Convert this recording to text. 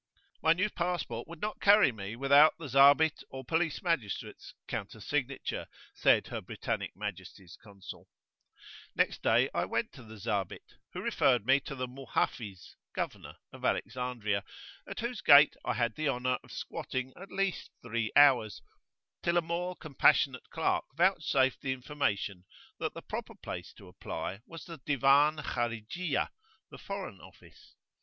My new passport would not carry me without the Zabit or Police Magistrate's counter signature, said H.B.M.'s Consul. Next day I went to the Zabit, who referred me to the Muhafiz (Governor) of Alexandria, at whose gate I had the honour of squatting at least three hours, till a more compassionate clerk vouchsafed the information that the proper place to apply to was the Diwan Kharijiyah (the Foreign Office).